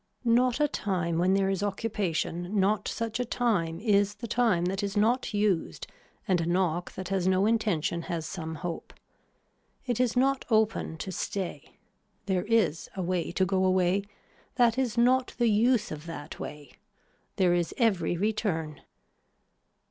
Not a time when there is occupation not such a time is the time that is not used and a knock that has no intention has some hope. It is not open to stay. There is a way to go away. That is not the use of that way. There is every return.